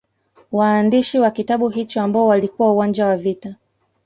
Waandishi wa kitabu hicho ambao walikuwa uwanja wa vita